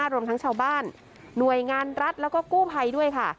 รวมทั้งชาวบ้านหน่วยงานรัฐแล้วก็กู้ภัยด้วยค่ะ